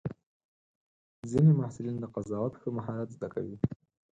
ځینې محصلین د قضاوت ښه مهارت زده کوي.